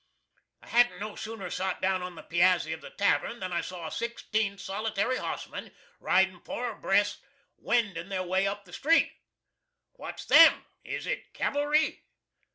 ] I hadn't no sooner sot down on the piazzy of the tavoun than I saw sixteen solitary hossmen, ridin' four abreast, wendin' their way up the street. "What's them? Is it cavilry?"